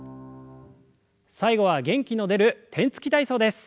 最後は元気の出る天つき体操です。